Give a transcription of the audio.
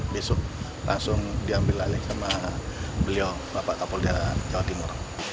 besok langsung diambil alih sama beliau bapak kapolda jawa timur